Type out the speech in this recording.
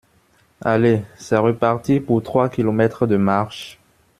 Aller, c'est reparti pour trois kilomètres de marche.